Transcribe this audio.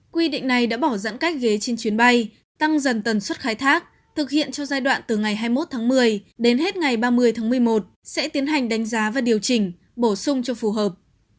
quy định này đã bỏ giãn cách ghế trên chuyến bay tăng dần tần suất khai thác thực hiện cho giai đoạn từ ngày hai mươi một tháng một mươi đến hết ngày ba mươi tháng một mươi một sẽ tiến hành đánh giá và điều chỉnh bổ sung cho phù hợp